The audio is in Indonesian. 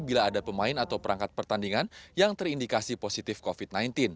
bila ada pemain atau perangkat pertandingan yang terindikasi positif covid sembilan belas